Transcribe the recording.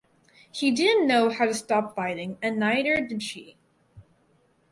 He didn’t know how to stop fighting, and neither did she.